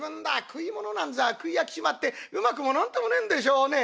食い物なんざ食い飽きちまってうまくも何ともねえんでしょうね」。